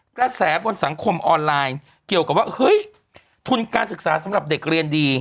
กระแสบนสังคมออนไลน์เกี่ยวกับว่าเฮ้ยทุนการศึกษาสำหรับเด็กเรียนดี